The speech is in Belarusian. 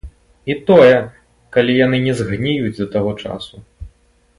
І тое, калі яны не згніюць да таго часу.